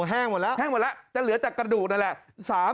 แห้งหมดแล้วแห้งหมดแล้วจะเหลือแต่กระดูกนั่นแหละ